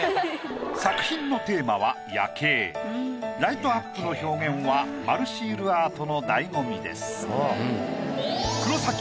作品のライトアップの表現は丸シールアートの醍醐味です。